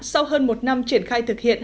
sau hơn một năm triển khai thực hiện